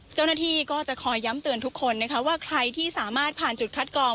เจ้าหน้าที่ก็จะคอยย้ำเตือนทุกคนนะคะว่าใครที่สามารถผ่านจุดคัดกอง